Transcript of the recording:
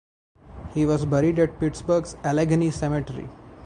He was buried at Pittsburgh's Allegheny Cemetery.